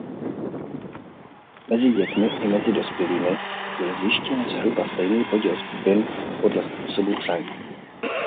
Mezi dětmi i mezi dospělými byl zjištěn zhruba stejný podíl skupin podle způsobu psaní.